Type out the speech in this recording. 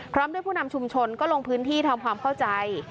พร้อมด้วยผู้นำชุมชนก็ลงพื้นที่ทำความเข้าใจ